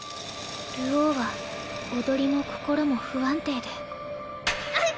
流鶯は踊りも心も不安定でうっ！